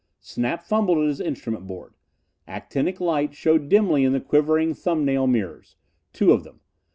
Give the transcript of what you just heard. Snap fumbled at his instrument board. Actinic light showed dimly in the quivering, thumbnail mirrors. Two of them.